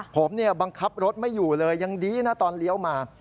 ผมบังคับรถไม่อยู่เลยยังดีนะตอนเลี้ยวมา